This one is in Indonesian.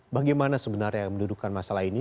bagaimana sebenarnya yang mendudukan masalah ini